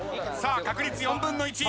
さあ確率４分の１。